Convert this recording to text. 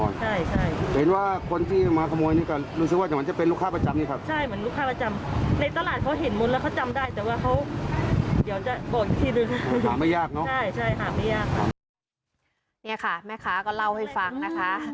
นี่ค่ะแม่ค้าก็เล่าให้ฟังนะคะ